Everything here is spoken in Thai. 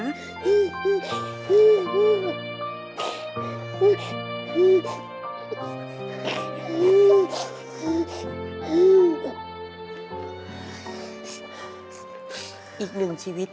ขอบคุณครับ